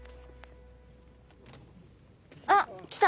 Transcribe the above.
あっきた。